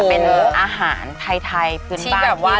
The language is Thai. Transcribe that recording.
พอเขาต้องย้ายเต้า